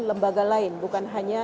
lembaga lain bukan hanya